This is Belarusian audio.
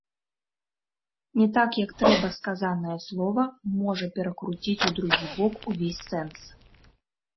Не так як трэба сказанае слова, можа перакруціць у другі бок увесь сэнс.